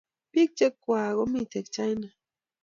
Pik che chwakek komiten China